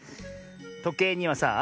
とけいにはさあ